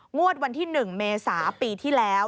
งวดวันที่๑เมษาปีที่แล้ว